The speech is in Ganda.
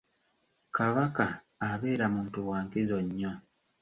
Kabaka abeera muntu wa nkizo nnyo.